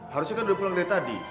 harusnya kan udah pulang dari tadi